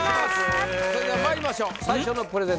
それではまいりましょう最初のプレゼンター